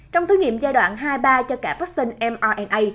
trong thử nghiệm giai đoạn hai ba cho cả vaccine mrna